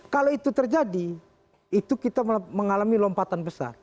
kalau itu terjadi itu kita mengalami lompatan besar